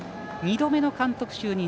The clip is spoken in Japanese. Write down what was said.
２度目の監督就任。